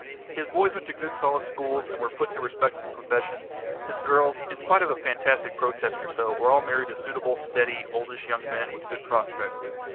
His boys went to good solid schools, and were put to respectable professions; his girls, in spite of a fantastic protest or so, were all married to suitable, steady, oldish young men with good prospects.